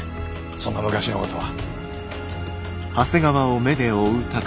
そんな昔のことは。